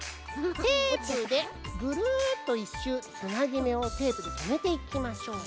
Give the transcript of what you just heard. テープでぐるっと１しゅうつなぎめをテープでとめていきましょう。